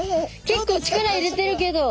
結構力入れてるけど。